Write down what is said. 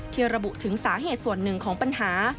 ที่ระบุถึงสาเหตุส่วนหนึ่งของปัญหา